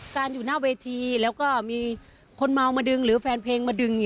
การอยู่หน้าเวทีแล้วก็มีคนเมามาดึงหรือแฟนเพลงมาดึง